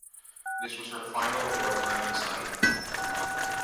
This was her final wartime assignment.